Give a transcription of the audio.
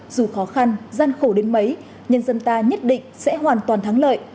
dù khó khăn gian khổ đến mấy nhân dân ta nhất định sẽ hoàn toàn thắng lợi